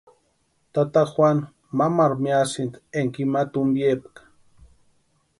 Tata Juanu mamaru miasïnti énka ima tumpiepka.